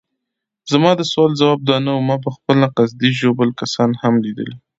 زما د سوال ځواب دا نه وو، ما پخپله قصدي ژوبل کسان هم لیدلي.